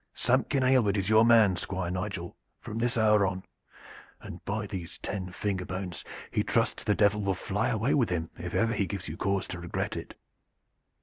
Samkin Aylward is your man, Squire Nigel, from this hour on, and by these ten finger bones he trusts the Devil will fly away with him if ever he gives you cause to regret it!"